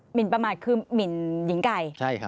นประมาทคือหมินหญิงไก่